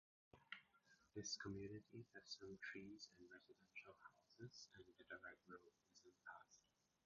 This community has some trees and residential houses and the direct road isn't passed.